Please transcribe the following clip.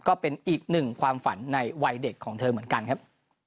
ก็เป็นอีกหนึ่งความฝันในวัยเด็กของเธอเหมือนกันครับ